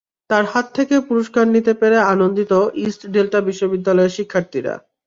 তাঁর হাত থেকে পুরস্কার নিতে পেরে আনন্দিত ইস্ট ডেল্টা বিশ্ববিদ্যালয়ের শিক্ষার্থীরা।